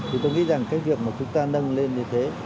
thì tôi nghĩ rằng cái việc mà chúng ta nâng lên như thế